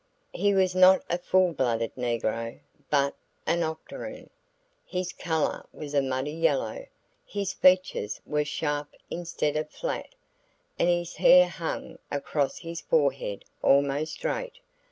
He was not a full blooded negro but an octoroon. His color was a muddy yellow, his features were sharp instead of flat, and his hair hung across his forehead almost straight.